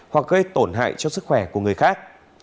hoặc gây tổn hại cho sức khỏe của người khác